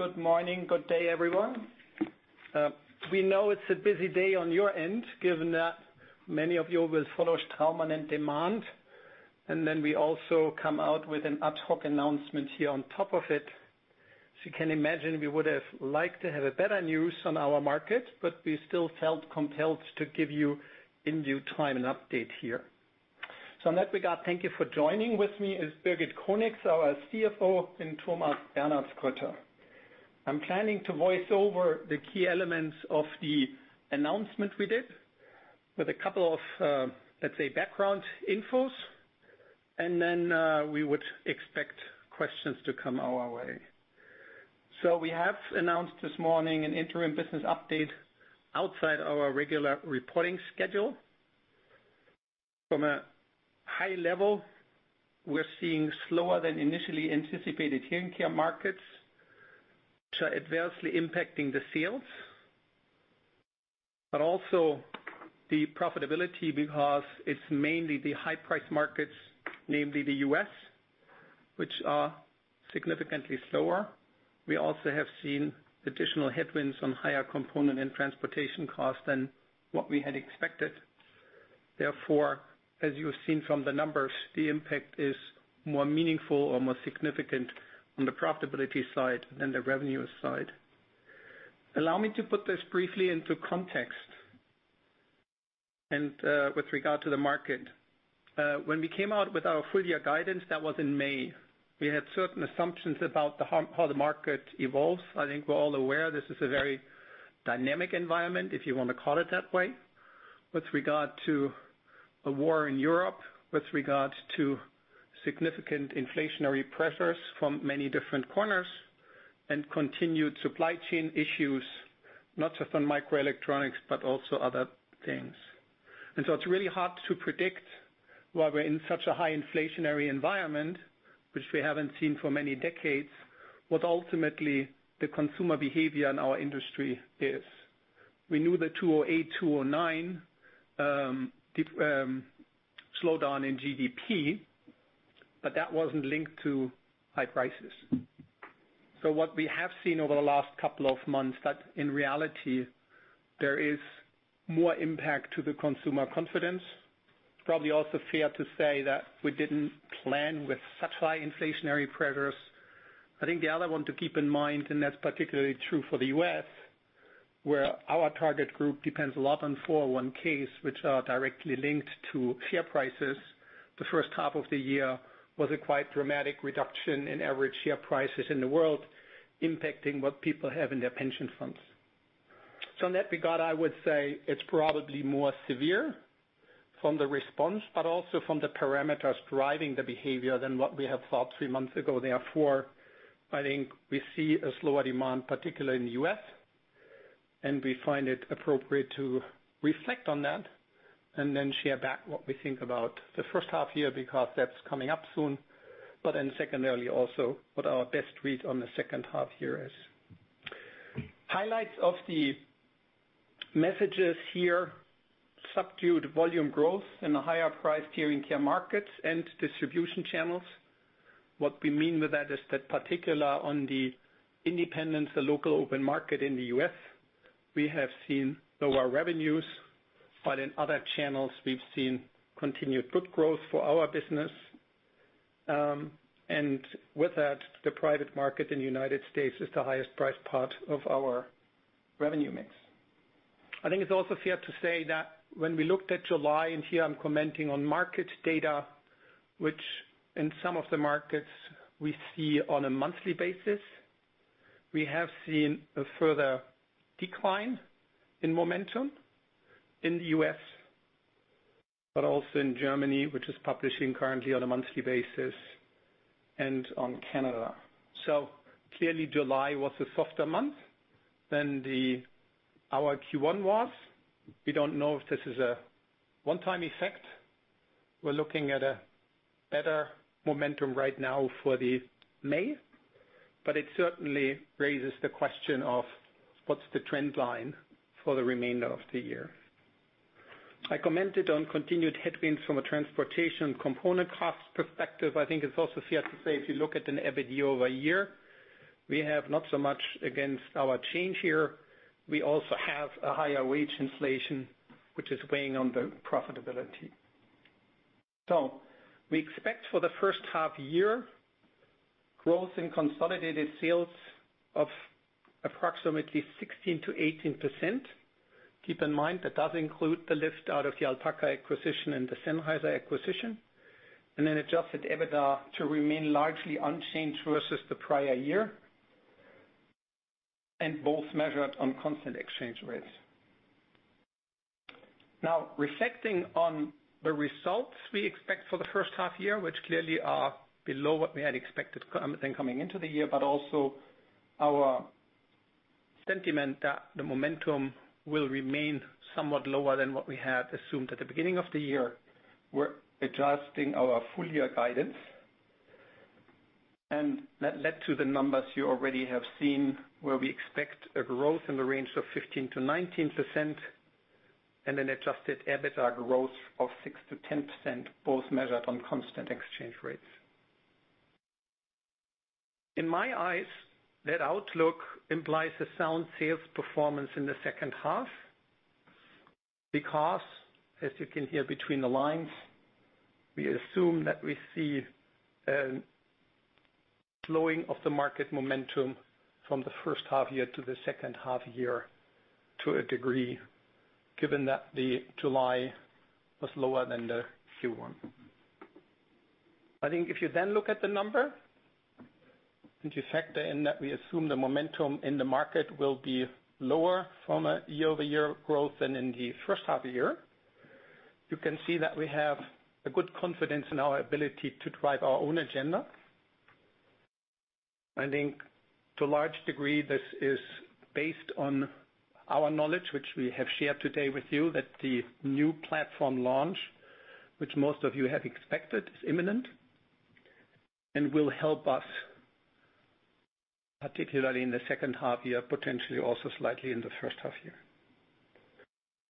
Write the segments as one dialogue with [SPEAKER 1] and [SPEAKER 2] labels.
[SPEAKER 1] Good morning. Good day, everyone. We know it's a busy day on your end, given that many of you will follow Straumann and Demant, and then we also come out with an ad hoc announcement here on top of it. As you can imagine, we would have liked to have a better news on our market, but we still felt compelled to give you in due time an update here. In that regard, thank you for joining. With me is Birgit Conix, our CFO, and Thomas Bernhardsgrütter. I'm planning to voice over the key elements of the announcement we did with a couple of, let's say, background infos, and then we would expect questions to come our way. We have announced this morning an interim business update outside our regular reporting schedule. From a high level, we're seeing slower than initially anticipated hearing care markets, which are adversely impacting the sales, but also the profitability because it's mainly the high price markets, namely the U.S., which are significantly slower. We also have seen additional headwinds on higher component and transportation costs than what we had expected. Therefore, as you have seen from the numbers, the impact is more meaningful or more significant on the profitability side than the revenue side. Allow me to put this briefly into context and with regard to the market. When we came out with our full year guidance, that was in May. We had certain assumptions about how the market evolves. I think we're all aware this is a very dynamic environment, if you want to call it that way, with regard to a war in Europe, with regards to significant inflationary pressures from many different corners and continued supply chain issues, not just on microelectronics, but also other things. It's really hard to predict why we're in such a high inflationary environment, which we haven't seen for many decades, what ultimately the consumer behavior in our industry is. We knew the 2008, 2009 dip, slowdown in GDP, but that wasn't linked to high prices. What we have seen over the last couple of months that in reality there is more impact to the consumer confidence. It's probably also fair to say that we didn't plan with such high inflationary pressures. I think the other one to keep in mind, and that's particularly true for the U.S., where our target group depends a lot on 401(k)s, which are directly linked to share prices. The first half of the year was a quite dramatic reduction in average share prices in the world, impacting what people have in their pension funds. In that regard, I would say it's probably more severe from the response, but also from the parameters driving the behavior than what we had thought three months ago. Therefore, I think we see a slower demand, particularly in the U.S., and we find it appropriate to reflect on that and then share back what we think about the first half year because that's coming up soon. Secondarily, also what our best read on the second half year is. Highlights of the messages here, subdued volume growth in the higher priced hearing care markets and distribution channels. What we mean with that is that particular on the independents, the local open market in the US, we have seen lower revenues, but in other channels we've seen continued good growth for our business. With that, the private market in the United States is the highest priced part of our revenue mix. I think it's also fair to say that when we looked at July, and here I'm commenting on market data, which in some of the markets we see on a monthly basis, we have seen a further decline in momentum in the US, but also in Germany, which is publishing currently on a monthly basis, and on Canada. Clearly July was a softer month than our Q1 was. We don't know if this is a one-time effect. We're looking at a better momentum right now for the May, but it certainly raises the question of what's the trend line for the remainder of the year. I commented on continued headwinds from a transportation component cost perspective. I think it's also fair to say if you look at an EBITDA year-over-year, we have not so much against our change here. We also have a higher wage inflation, which is weighing on the profitability. We expect for the first half year growth in consolidated sales of approximately 16%-18%. Keep in mind, that does include the lift out of the Alpaca acquisition and the Sennheiser acquisition, and an adjusted EBITDA to remain largely unchanged versus the prior year, and both measured on constant exchange rates. Now, reflecting on the results we expect for the first half year, which clearly are below what we had expected, compared to coming into the year, but also our sentiment that the momentum will remain somewhat lower than what we had assumed at the beginning of the year. We're adjusting our full year guidance and that led to the numbers you already have seen, where we expect a growth in the range of 15%-19%. An adjusted EBITDA growth of 6%-10%, both measured on constant exchange rates. In my eyes, that outlook implies a sound sales performance in the second half because as you can hear between the lines, we assume that we see a slowing of the market momentum from the first half year to the second half year to a degree, given that July was lower than the Q1. I think if you then look at the numbers, and you factor in that we assume the momentum in the market will be lower from a year-over-year growth than in the first half of the year, you can see that we have a good confidence in our ability to drive our own agenda. I think to a large degree, this is based on our knowledge, which we have shared today with you, that the new platform launch, which most of you have expected, is imminent and will help us, particularly in the second half year, potentially also slightly in the first half year.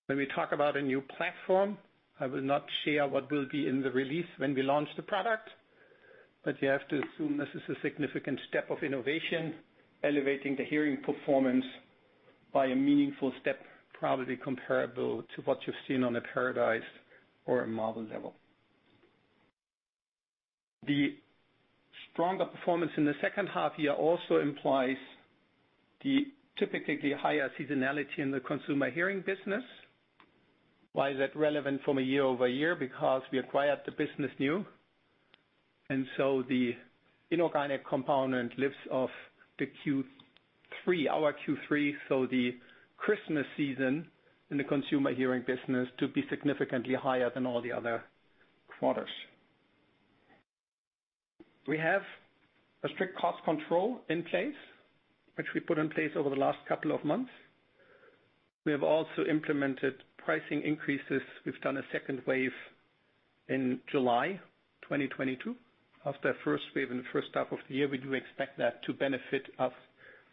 [SPEAKER 1] When we talk about a new platform, I will not share what will be in the release when we launch the product, but you have to assume this is a significant step of innovation, elevating the hearing performance by a meaningful step, probably comparable to what you've seen on a Paradise or a Marvel level. The stronger performance in the second half year also implies the typically higher seasonality in the Consumer Hearing business. Why is that relevant from a year-over-year? Because we acquired the business new, and so the inorganic component lifts off the Q3, our Q3, so the Christmas season in the Consumer Hearing business to be significantly higher than all the other quarters. We have a strict cost control in place, which we put in place over the last couple of months. We have also implemented pricing increases. We've done a second wave in July 2022. After the first wave in the first half of the year, we do expect that to benefit us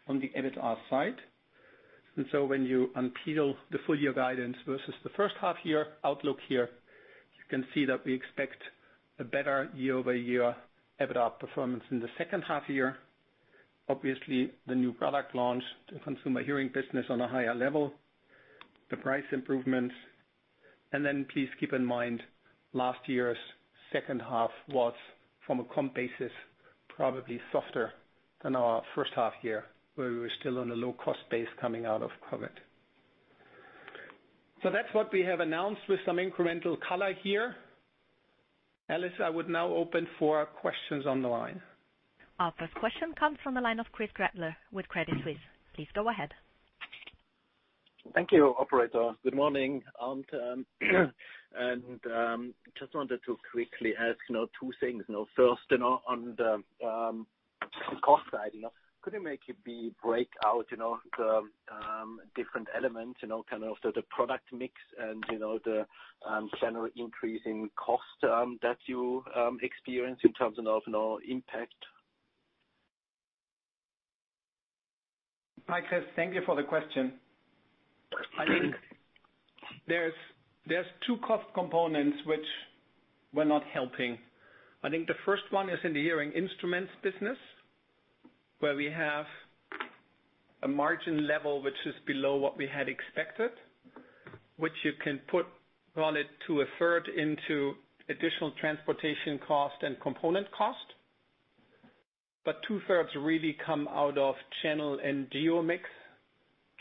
[SPEAKER 1] on the EBITA side. When you unpeel the full year guidance versus the first half year outlook here, you can see that we expect a better year-over-year EBITA performance in the second half year. Obviously, the new product launch, the Consumer Hearing business on a higher level, the price improvements. Please keep in mind last year's second half was from a comp basis, probably softer than our first half year, where we were still on a low-cost base coming out of COVID. That's what we have announced with some incremental color here. Alice, I would now open for questions on the line.
[SPEAKER 2] Our first question comes from the line of Christoph Gretler with Credit Suisse. Please go ahead.
[SPEAKER 3] Thank you, operator. Good morning, Arnd. Just wanted to quickly ask now two things. Now first, you know, on the cost side, you know, could you maybe break out, you know, the different elements, you know, kind of the product mix and, you know, the general increase in cost that you experience in terms of, you know, impact?
[SPEAKER 1] Hi, Chris. Thank you for the question. I think there's two cost components which were not helping. I think the first one is in the Hearing Instruments business, where we have a margin level which is below what we had expected, which you can put, call it, two-thirds into additional transportation cost and component cost. But two-thirds really come out of channel and geo mix.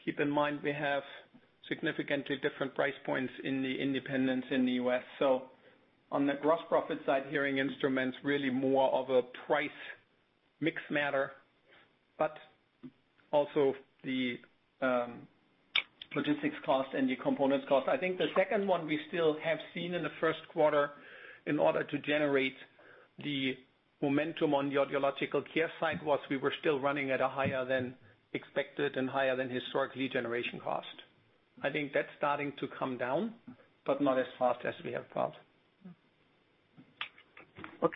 [SPEAKER 1] Keep in mind, we have significantly different price points in the independents in the US. So on the gross profit side, Hearing Instruments really more of a price mix matter, but also the logistics cost and the components cost. I think the second one we still have seen in the first quarter in order to generate the momentum on the Audiological Care side was we were still running at a higher than expected and higher than historically generation cost. I think that's starting to come down, but not as fast as we have thought.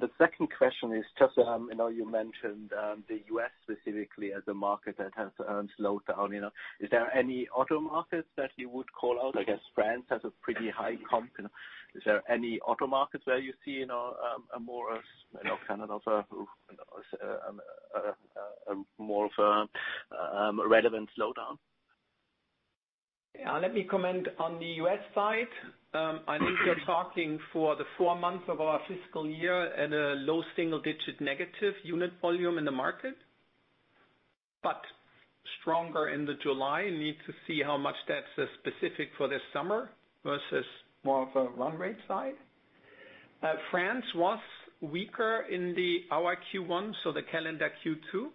[SPEAKER 3] The second question is just, I know you mentioned, the U.S. specifically as a market that has slowed down, you know. Is there any other markets that you would call out? I guess France has a pretty high comp, you know. Is there any other markets where you see, you know, a more, you know, kind of, more of a relevant slowdown?
[SPEAKER 1] Yeah. Let me comment on the U.S. side. I think you're talking for the four months of our fiscal year at a low single digit negative unit volume in the market, but stronger in July. We need to see how much that's specific for this summer versus more of a run rate side. France was weaker in our Q1, so the calendar Q2,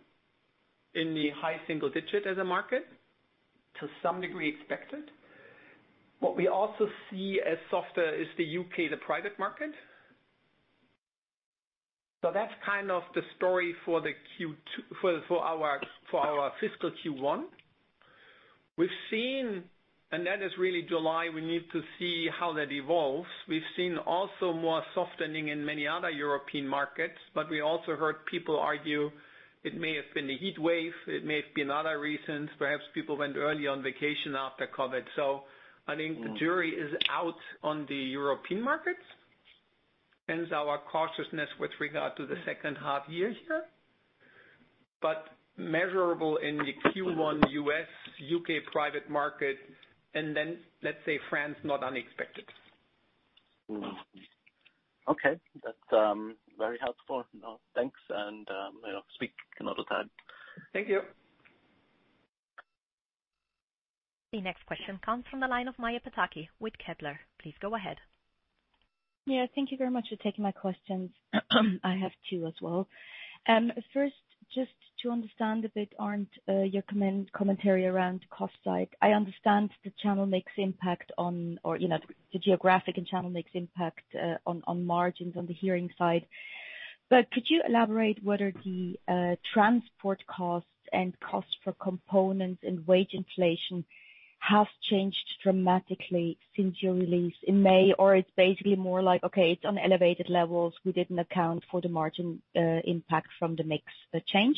[SPEAKER 1] in the high single digit as a market to some degree expected. What we also see as softer is the U.K., the private market. That's kind of the story for our fiscal Q1. We've seen, and that is really July, we need to see how that evolves. We've seen also more softening in many other European markets, but we also heard people argue it may have been the heatwave, it may have been other reasons. Perhaps people went early on vacation after COVID. I think the jury is out on the European markets. Hence our cautiousness with regard to the second half year here. Measurable in the Q1 U.S., U.K. private market and then, let's say France, not unexpected.
[SPEAKER 3] Mm-hmm. Okay. That's very helpful. Now, thanks, and yeah, speak another time.
[SPEAKER 1] Thank you.
[SPEAKER 2] The next question comes from the line of Maja Pataki with Kepler Cheuvreux. Please go ahead.
[SPEAKER 4] Yeah. Thank you very much for taking my questions. I have two as well. First, just to understand a bit on your commentary around cost side. I understand the channel mix impact, you know, the geographic and channel mix impact on margins on the hearing side. Could you elaborate what the transport costs and costs for components and wage inflation have changed dramatically since your release in May? Or it's basically more like, okay, it's on elevated levels, we didn't account for the margin impact from the mix change?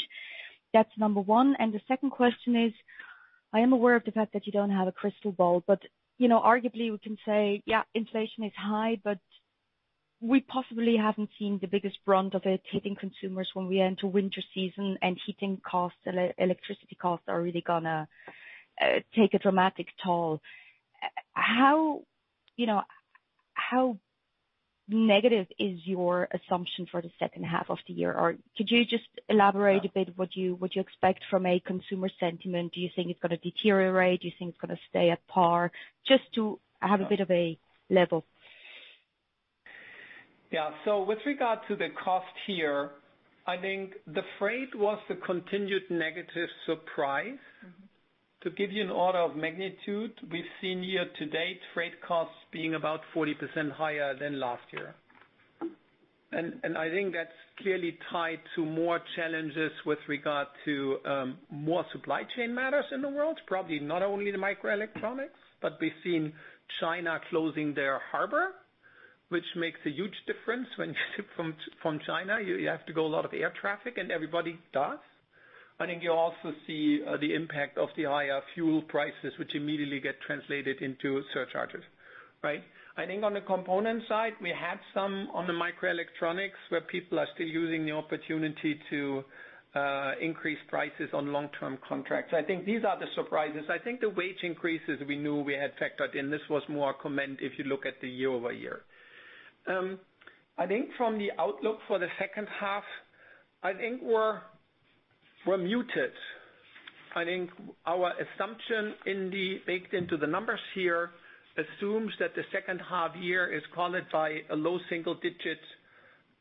[SPEAKER 4] That's number one. The second question is, I am aware of the fact that you don't have a crystal ball, but, you know, arguably we can say, yeah, inflation is high, but we possibly haven't seen the biggest brunt of it hitting consumers when we enter winter season and heating costs and electricity costs are really gonna take a dramatic toll. How, you know, how negative is your assumption for the second half of the year? Or could you just elaborate a bit what you expect from a consumer sentiment? Do you think it's gonna deteriorate? Do you think it's gonna stay at par? Just to have a bit of a level.
[SPEAKER 1] Yeah. With regard to the cost here, I think the freight was the continued negative surprise.
[SPEAKER 4] Mm-hmm.
[SPEAKER 1] To give you an order of magnitude, we've seen year-to-date freight costs being about 40% higher than last year. I think that's clearly tied to more challenges with regard to more supply chain matters in the world, probably not only the microelectronics, but we've seen China closing their harbor, which makes a huge difference when you ship from China, you have to go a lot of air freight and everybody does. I think you also see the impact of the higher fuel prices, which immediately get translated into surcharges, right? I think on the component side, we have some on the microelectronics where people are still using the opportunity to increase prices on long-term contracts. I think these are the surprises. I think the wage increases we knew we had factored in. This was more comment if you look at the year-over-year. I think from the outlook for the second half, I think we're muted. I think our assumption baked into the numbers here assumes that the second half year is colored by a low single digit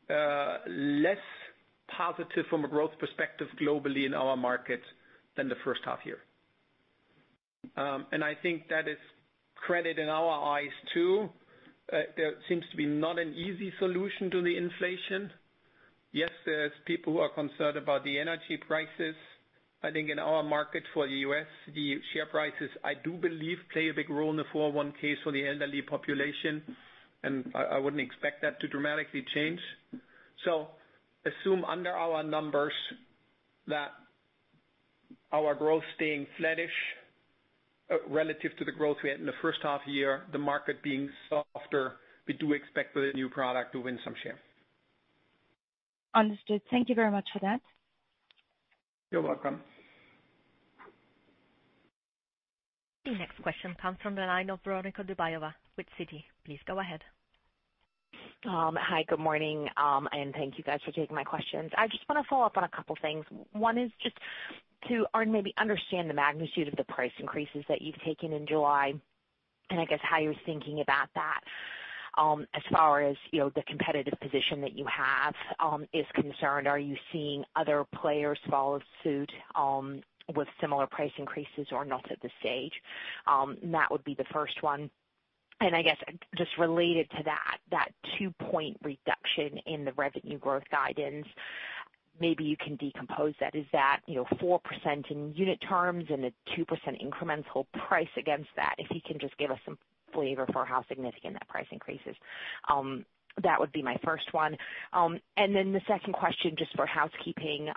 [SPEAKER 1] less positive from a growth perspective globally in our market than the first half year. I think that is credible in our eyes, too. There seems to be not an easy solution to the inflation. Yes, there's people who are concerned about the energy prices. I think in our market for the U.S., the share prices, I do believe, play a big role in the 401(k) case for the elderly population, and I wouldn't expect that to dramatically change. Assume under our numbers that our growth staying flattish, relative to the growth we had in the first half year, the market being softer, we do expect with a new product to win some share.
[SPEAKER 4] Understood. Thank you very much for that.
[SPEAKER 1] You're welcome.
[SPEAKER 2] The next question comes from the line of Veronika Dubajova with Citi. Please go ahead.
[SPEAKER 5] Hi, good morning, and thank you guys for taking my questions. I just wanna follow up on a couple things. One is just to or maybe understand the magnitude of the price increases that you've taken in July, and I guess how you're thinking about that, as far as, you know, the competitive position that you have, is concerned. Are you seeing other players follow suit, with similar price increases or not at this stage? That would be the first one. I guess just related to that 2-point reduction in the revenue growth guidance, maybe you can decompose that. Is that, you know, 4% in unit terms and a 2% incremental price against that? If you can just give us some flavor for how significant that price increase is. That would be my first one. The second question just for housekeeping,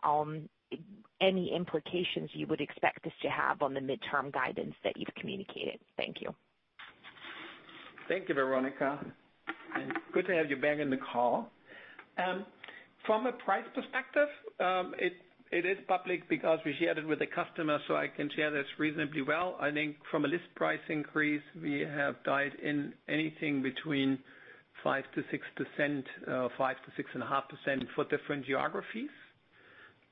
[SPEAKER 5] any implications you would expect this to have on the midterm guidance that you've communicated? Thank you.
[SPEAKER 1] Thank you, Veronika, and good to have you back in the call. From a price perspective, it is public because we share it with the customer, so I can share this reasonably well. I think from a list price increase, we have guided in anything between 5%-6%, 5%-6.5% for different geographies.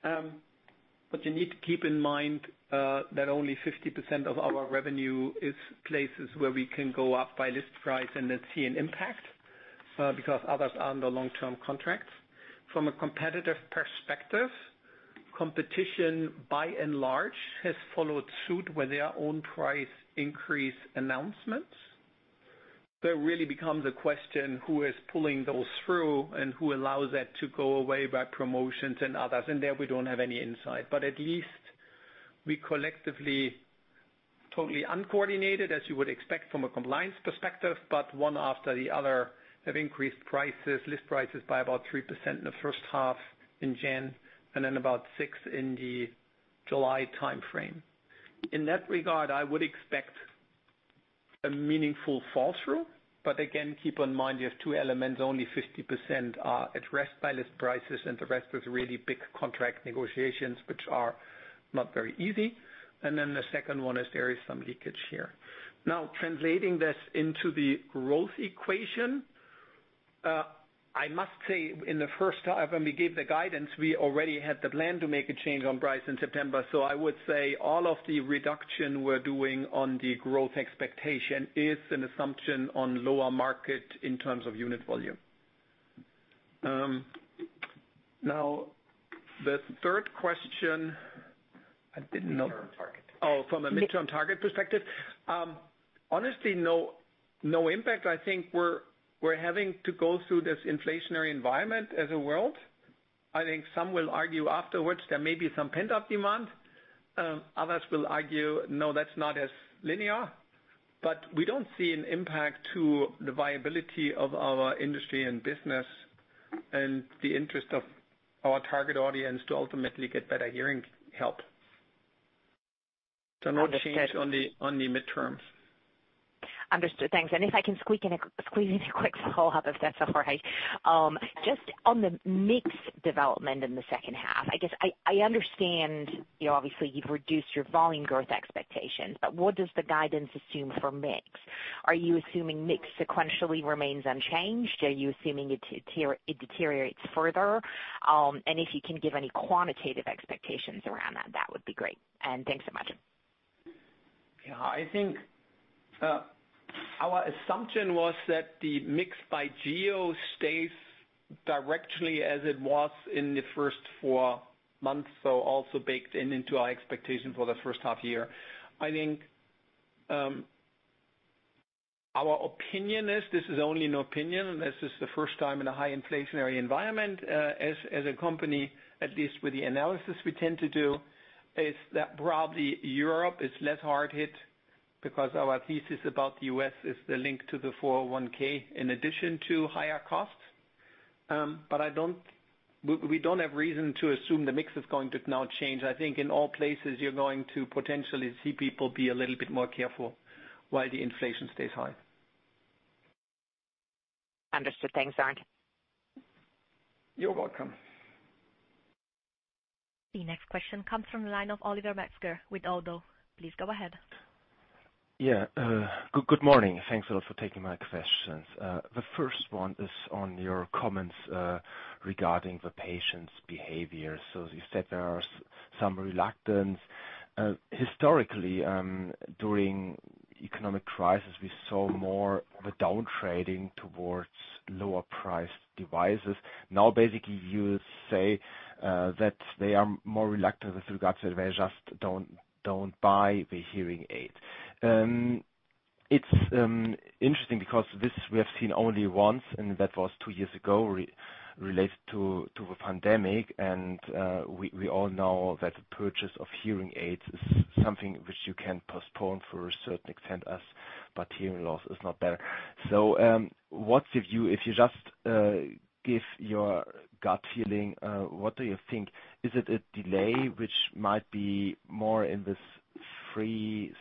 [SPEAKER 1] But you need to keep in mind that only 50% of our revenue is places where we can go up by list price and then see an impact because others are under long-term contracts. From a competitive perspective, competition by and large has followed suit with their own price increase announcements. That really becomes a question, who is pulling those through and who allows that to go away by promotions and others? There we don't have any insight. We collectively, totally uncoordinated, as you would expect from a compliance perspective, but one after the other, have increased prices, list prices by about 3% in the first half in January, and then about 6% in the July timeframe. In that regard, I would expect a meaningful fall through, but again, keep in mind you have two elements, only 50% are at rest by list prices, and the rest is really big contract negotiations which are not very easy. The second one is there is some leakage here. Now translating this into the growth equation, I must say in the first half, when we gave the guidance, we already had the plan to make a change on price in September. I would say all of the reduction we're doing on the growth expectation is an assumption on lower market in terms of unit volume. Now the third question, I didn't note- Oh, from a mid-term target perspective? Honestly, no impact. I think we're having to go through this inflationary environment as a world. I think some will argue afterwards there may be some pent-up demand, others will argue, no, that's not as linear. We don't see an impact to the viability of our industry and business and the interest of our target audience to ultimately get better hearing help. No change on the midterms.
[SPEAKER 5] Understood. Thanks. If I can squeeze in a quick follow-up, if that's all right. Just on the mix development in the second half, I guess I understand, you know, obviously you've reduced your volume growth expectations, but what does the guidance assume for mix? Are you assuming mix sequentially remains unchanged? Are you assuming it deteriorates further? If you can give any quantitative expectations around that would be great. Thanks so much.
[SPEAKER 1] Yeah. I think our assumption was that the mix by geo stays directly as it was in the first 4 months, so also baked into our expectation for the first half year. I think our opinion is, this is only an opinion, and this is the first time in a high inflationary environment, as a company, at least with the analysis we tend to do, is that probably Europe is less hard hit because our thesis about the US is the link to the 401(k) in addition to higher costs. We don't have reason to assume the mix is going to now change. I think in all places you're going to potentially see people be a little bit more careful while the inflation stays high.
[SPEAKER 5] Understood. Thanks, Arnd.
[SPEAKER 1] You're welcome.
[SPEAKER 2] The next question comes from the line of Olivier Metzger with Oddo BHF. Please go ahead.
[SPEAKER 6] Yeah. Good morning. Thanks a lot for taking my questions. The first one is on your comments regarding the patients' behavior. You said there are some reluctance. Historically, during economic crisis, we saw more of a downtrading towards lower priced devices. Now, basically you say that they are more reluctant with regards to they just don't buy the hearing aid. It's interesting because this we have seen only once and that was two years ago related to the pandemic. We all know that the purchase of hearing aids is something which you can postpone for a certain extent as but hearing loss is not better. What's the view? If you just give your gut feeling, what do you think? Is it a delay which might be more in this 3-6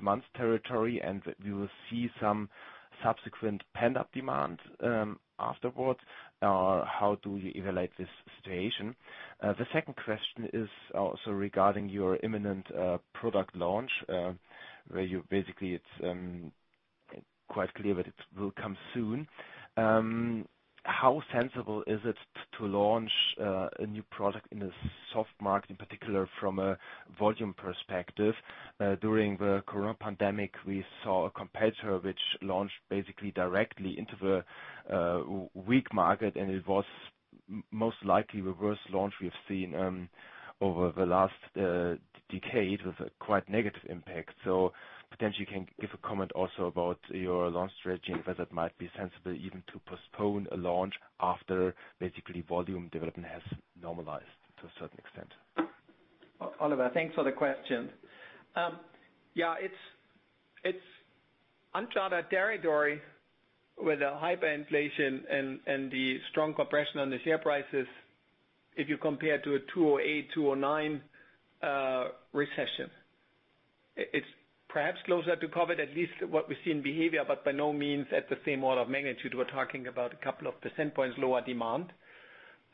[SPEAKER 6] months territory and we will see some subsequent pent-up demand, afterwards? Or how do you evaluate this situation? The second question is also regarding your imminent product launch, where you basically it's quite clear that it will come soon. How sensible is it to launch a new product in a soft market, in particular from a volume perspective? During the corona pandemic, we saw a competitor which launched basically directly into the weak market, and it was most likely the worst launch we have seen over the last decade with a quite negative impact. Potentially you can give a comment also about your launch strategy, whether it might be sensible even to postpone a launch after basically volume development has normalized to a certain extent.
[SPEAKER 1] Oliver, thanks for the question. Yeah, it's uncharted territory with the hyperinflation and the strong compression on the share prices if you compare to 2008, 2009 recession. It's perhaps closer to COVID, at least what we see in behavior, but by no means at the same order of magnitude. We're talking about a couple of percentage points lower demand.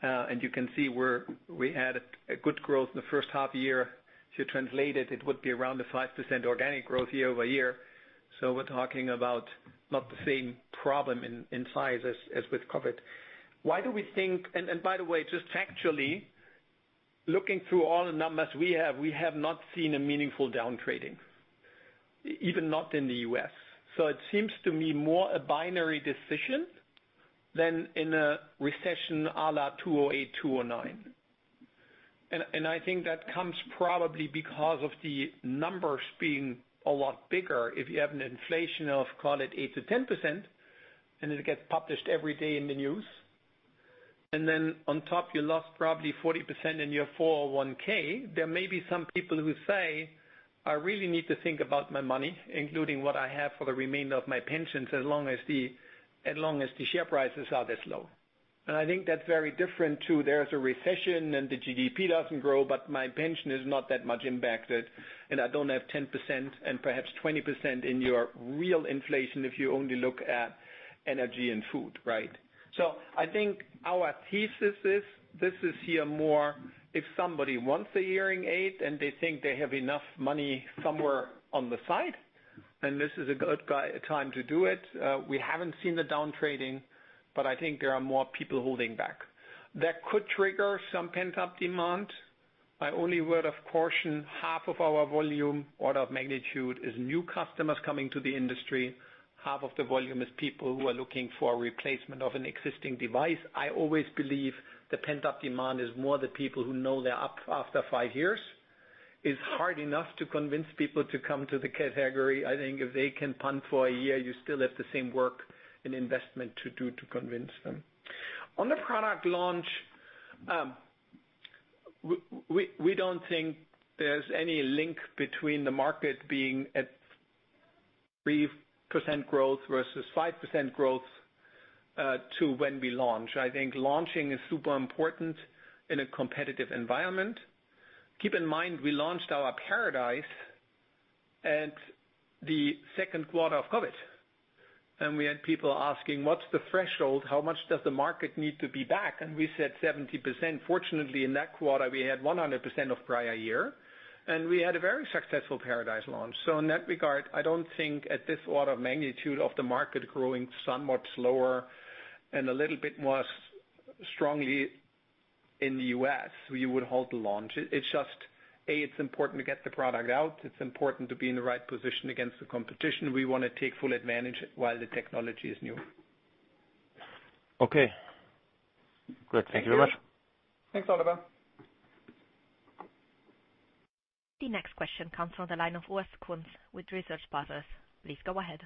[SPEAKER 1] You can see where we had a good growth in the first half year. If you translate it would be around 5% organic growth year-over-year. We're talking about not the same problem in size as with COVID. By the way, just factually, looking through all the numbers we have, we have not seen a meaningful downtrading, even not in the US. It seems to me more a binary decision than in a recession a la 2008, 2009. I think that comes probably because of the numbers being a lot bigger. If you have an inflation of, call it 8%-10%, and it gets published every day in the news, and then on top you lost probably 40% in your 401(k), there may be some people who say, "I really need to think about my money, including what I have for the remainder of my pensions, as long as the share prices are this low." I think that's very different too. There's a recession and the GDP doesn't grow, but my pension is not that much impacted, and I don't have 10% and perhaps 20% in your real inflation if you only look at energy and food, right? I think our thesis is this is here more if somebody wants a hearing aid and they think they have enough money somewhere on the side, then this is a good time to do it. We haven't seen the down trading, but I think there are more people holding back. That could trigger some pent-up demand. My only word of caution, half of our volume, order of magnitude, is new customers coming to the industry. Half of the volume is people who are looking for a replacement of an existing device. I always believe the pent-up demand is more the people who know they're up after 5 years. It's hard enough to convince people to come to the category. I think if they can punt for a year, you still have the same work and investment to do to convince them. On the product launch, we don't think there's any link between the market being at 3% growth versus 5% growth to when we launch. I think launching is super important in a competitive environment. Keep in mind, we launched our Paradise at the second quarter of COVID, and we had people asking, "What's the threshold? How much does the market need to be back?" We said 70%. Fortunately, in that quarter, we had 100% of prior year, and we had a very successful Paradise launch. In that regard, I don't think at this order of magnitude of the market growing somewhat slower and a little bit more strongly in the US, we would halt the launch. It's just, A, it's important to get the product out. It's important to be in the right position against the competition. We wanna take full advantage while the technology is new.
[SPEAKER 6] Okay. Good. Thank you very much.
[SPEAKER 1] Thanks, Oliver.
[SPEAKER 2] The next question comes from the line of Urs Kunz with Research Partners. Please go ahead.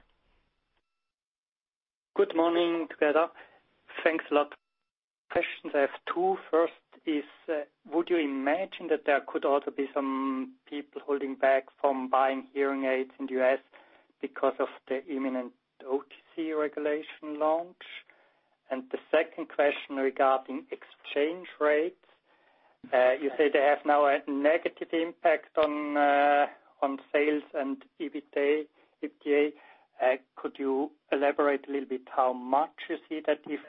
[SPEAKER 7] Good morning together. Thanks a lot. Questions I have two. First is, would you imagine that there could also be some people holding back from buying hearing aids in the U.S. because of the imminent OTC regulation launch? The second question regarding exchange rates. You say they have now a negative impact on sales and EBITA, EBITDA. Could you elaborate a little bit how much you see that if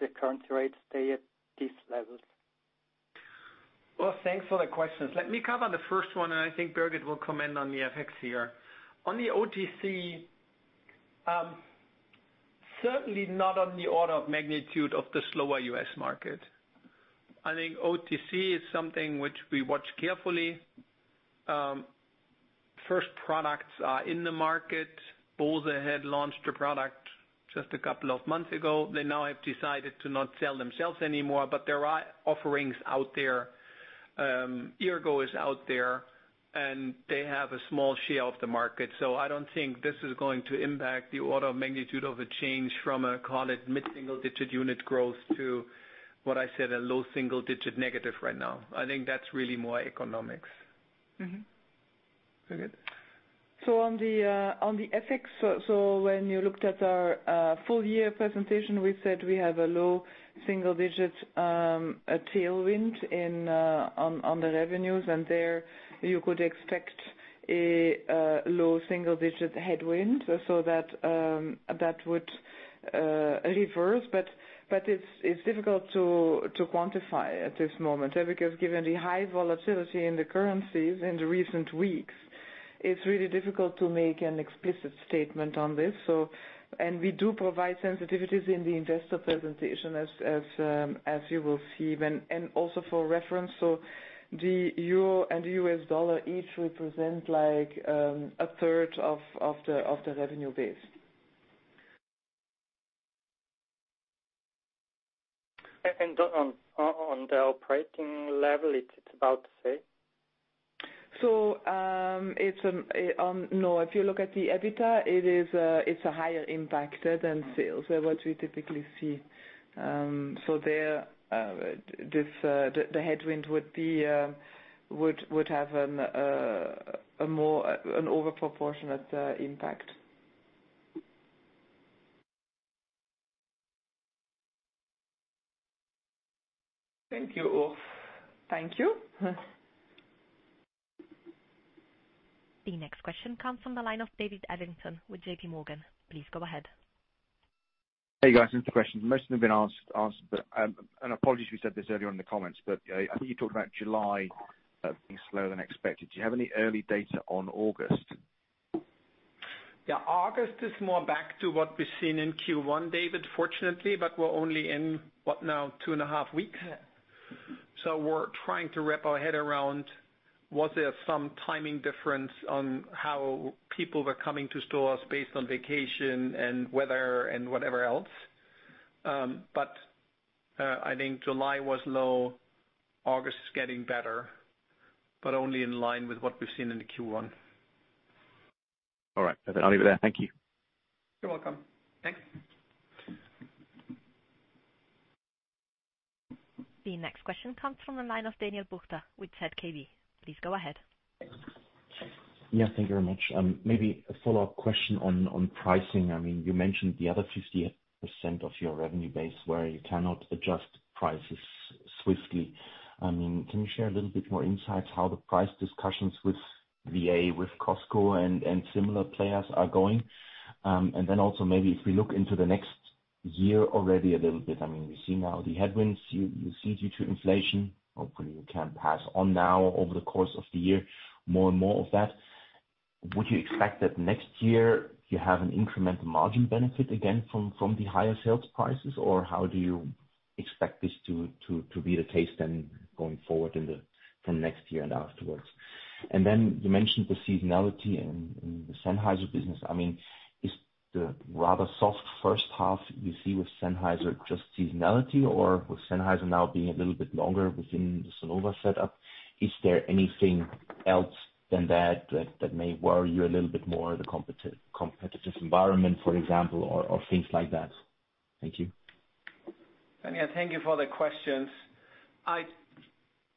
[SPEAKER 7] the currency rates stay at these levels?
[SPEAKER 1] Well, thanks for the questions. Let me cover the first one, and I think Birgit will comment on the FX here. On the OTC, certainly not on the order of magnitude of the slower U.S. market. I think OTC is something which we watch carefully. First products are in the market. Bose had launched a product just a couple of months ago. They now have decided to not sell themselves anymore, but there are offerings out there. Eargo is out there, and they have a small share of the market. So I don't think this is going to impact the order of magnitude of a change from a, call it, mid-single digit unit growth to, what I said, a low single digit negative right now. I think that's really more economics. Birgit.
[SPEAKER 8] On the FX, when you looked at our full-year presentation, we said we have a low single-digit tailwind on the revenues, and there you could expect a low single-digit headwind. That would reverse. It's difficult to quantify at this moment because given the high volatility in the currencies in the recent weeks, it's really difficult to make an explicit statement on this. We do provide sensitivities in the investor presentation as you will see when. For reference, the euro and the US dollar each represent like a third of the revenue base.
[SPEAKER 7] On the operating level it's about the same?
[SPEAKER 8] No. If you look at the EBITDA, it's a higher impact there than sales, what we typically see. The headwind would have a more disproportionate impact.
[SPEAKER 1] Thank you, Urs.
[SPEAKER 8] Thank you.
[SPEAKER 2] The next question comes from the line of David Adlington with JP Morgan. Please go ahead.
[SPEAKER 9] Hey, guys. Some questions. Most have been asked, but and apologies we said this earlier in the comments, but I think you talked about July being slower than expected. Do you have any early data on August?
[SPEAKER 1] Yeah. August is more back to what we've seen in Q1, David, fortunately, but we're only in, what now? Two and a half weeks. We're trying to wrap our head around was there some timing difference on how people were coming to stores based on vacation and weather and whatever else. I think July was low. August is getting better, but only in line with what we've seen in the Q1.
[SPEAKER 9] All right. Perfect. I'll leave it there. Thank you.
[SPEAKER 1] You're welcome.
[SPEAKER 8] Thanks.
[SPEAKER 2] The next question comes from the line of Daniel Buchta with Kepler. Please go ahead.
[SPEAKER 10] Yes, thank you very much. Maybe a follow-up question on pricing. I mean, you mentioned the other 50% of your revenue base where you cannot adjust prices swiftly. I mean, can you share a little bit more insights how the price discussions with VA, with Costco and similar players are going? And then also maybe if we look into the next year already a little bit, I mean, we see now the headwinds you see due to inflation. Hopefully you can pass on now over the course of the year more and more of that. Would you expect that next year you have an incremental margin benefit again from the higher sales prices? Or how do you expect this to be the case then going forward from next year and afterwards? Then you mentioned the seasonality in the Sennheiser business. I mean, is the rather soft first half you see with Sennheiser just seasonality or with Sennheiser now being a little bit longer within the Sonova setup, is there anything else than that that may worry you a little bit more, the competitive environment, for example, or things like that? Thank you.
[SPEAKER 1] Daniel, thank you for the questions. I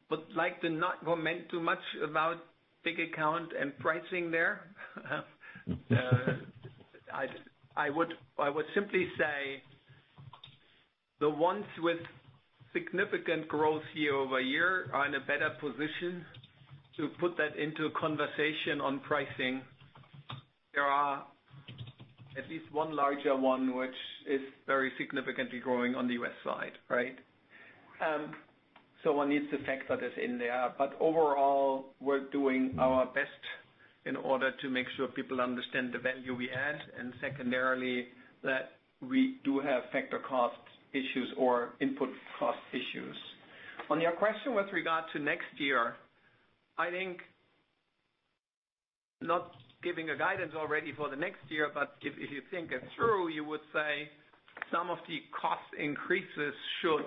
[SPEAKER 1] would like to not comment too much about big account and pricing there. I would simply say the ones with significant growth year-over-year are in a better position to put that into a conversation on pricing. There are at least one larger one which is very significantly growing on the U.S. side, right? One needs to factor this in there. Overall, we're doing our best in order to make sure people understand the value we add, and secondarily, that we do have factor cost issues or input cost issues. On your question with regard to next year, I think not giving a guidance already for the next year, but if you think it through, you would say some of the cost increases should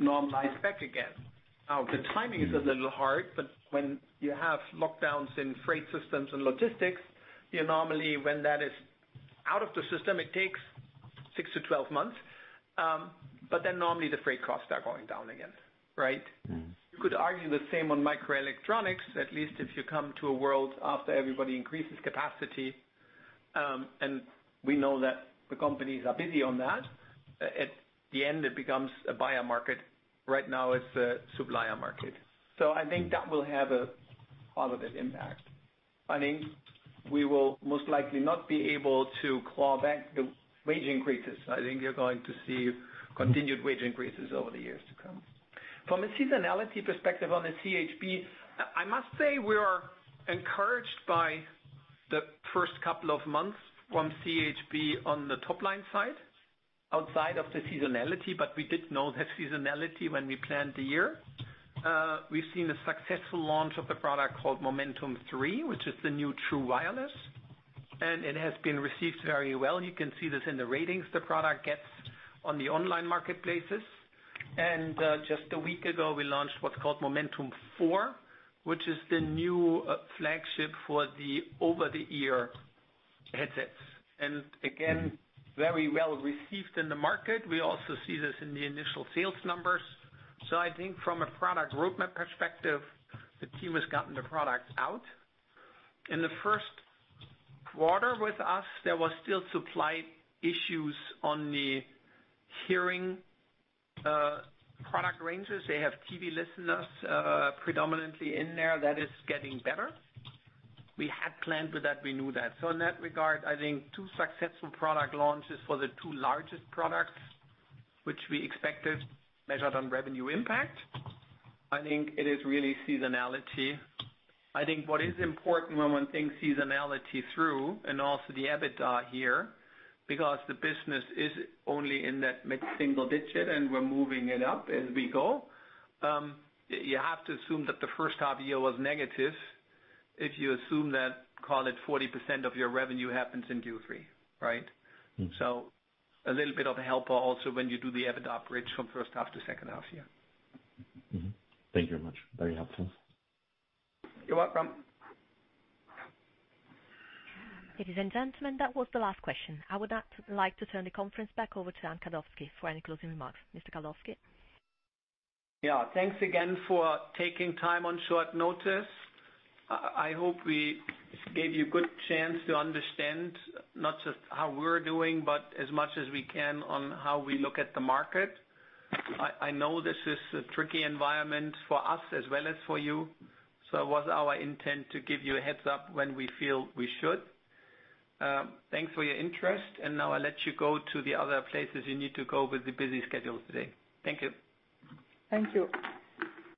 [SPEAKER 1] normalize back again. Now, the timing is a little hard, but when you have lockdowns in freight systems and logistics, you normally, when that is out of the system, it takes 6-12 months. Then normally the freight costs are going down again, right? You could argue the same on microelectronics, at least if you come to a world after everybody increases capacity, and we know that the companies are busy on that. At the end it becomes a buyer market. Right now it's a supplier market. I think that will have a positive impact. I think we will most likely not be able to claw back the wage increases. I think you're going to see continued wage increases over the years to come. From a seasonality perspective on the CHB, I must say we are encouraged by the first couple of months from CHB on the top-line side outside of the seasonality, but we did know that seasonality when we planned the year. We've seen a successful launch of the product called Momentum Three, which is the new true wireless, and it has been received very well. You can see this in the ratings the product gets on the online marketplaces. Just a week ago, we launched what's called Momentum Four, which is the new flagship for the over-the-ear headsets. Again, very well received in the market. We also see this in the initial sales numbers. I think from a product roadmap perspective, the team has gotten the product out. In the first quarter with us, there was still supply issues on the hearing product ranges. They have TV listeners predominantly in there. That is getting better. We had planned for that. We knew that. In that regard, I think two successful product launches for the two largest products, which we expected measured on revenue impact. I think it is really seasonality. I think what is important when one thinks seasonality through and also the EBITDA here, because the business is only in that mid-single digit and we're moving it up as we go, you have to assume that the first half year was negative if you assume that, call it 40% of your revenue happens in Q3, right?
[SPEAKER 10] Mm-hmm.
[SPEAKER 1] A little bit of a helper also when you do the EBITDA bridge from first half to second half year.
[SPEAKER 10] Mm-hmm. Thank you very much. Very helpful.
[SPEAKER 1] You're welcome.
[SPEAKER 2] Ladies and gentlemen, that was the last question. I would now like to turn the conference back over to Arnd Kaldowski for any closing remarks. Mr. Kaldowski?
[SPEAKER 1] Yeah. Thanks again for taking time on short notice. I hope we gave you good chance to understand not just how we're doing, but as much as we can on how we look at the market. I know this is a tricky environment for us as well as for you, so it was our intent to give you a heads-up when we feel we should. Thanks for your interest, and now I let you go to the other places you need to go with the busy schedule today. Thank you.
[SPEAKER 2] Thank you.